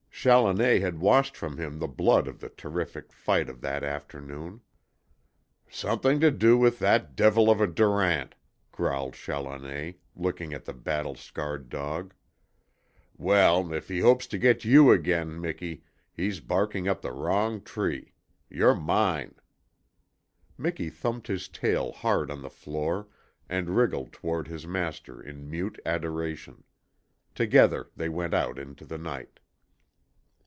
Challoner had washed from him the blood of the terrific fight of that afternoon. "Something to do with that devil of a Durant," growled Challoner, looking at the battle scarred dog. "Well, if he hopes to get YOU again, Miki, he's barking up the wrong tree. You're MINE!" Miki thumped his hard tail on the floor and wriggled toward his master in mute adoration. Together they went out into the night.